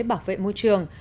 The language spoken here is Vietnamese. bảo vệ môi trường